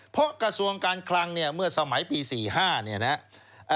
เพราะกระทรวงการคลังเนี่ยเมื่อสมัยปี๔๕เนี่ยนะครับ